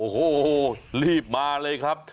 โอ้โหรีบมาเลยครับ